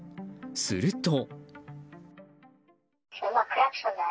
すると。